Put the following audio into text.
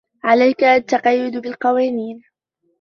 عليك التقيد بالقوانين.